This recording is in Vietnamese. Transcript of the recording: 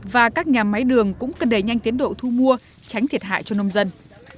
và các nhà máy đường cũng cần đẩy nhanh tiến độ thu mua tránh thiệt hại cho nông dân